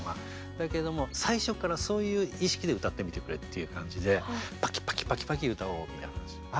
だけども最初からそういう意識で歌ってみてくれっていう感じでパキパキパキパキ歌おうみたいな話をした。